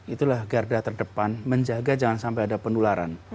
itulah garda terdepan menjaga jangan sampai ada penularan